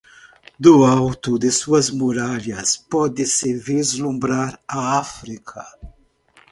Do alto de suas muralhas, pode-se vislumbrar a África.